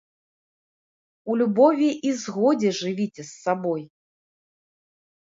У любові і згодзе жывіце з сабой!